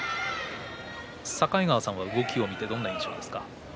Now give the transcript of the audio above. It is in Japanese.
境川さんは動きを見てどんな印象ですか？